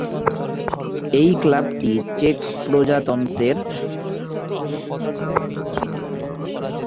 এই ক্লাবটি চেক প্রজাতন্ত্রের শীর্ষ স্তরের লীগ, চেক প্রথম লীগে খেলে থাকে।